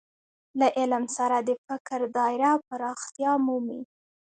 له علم سره د فکر دايره پراختیا مومي.